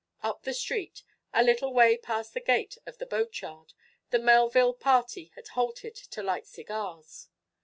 Up the street, a little way past the gate of the boatyard, the Melville party had halted to light cigars.